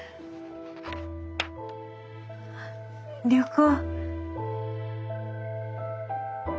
旅行。